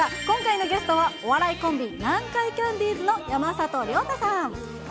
今回のゲストは、お笑いコンビ、南海キャンディーズの山里亮太さん。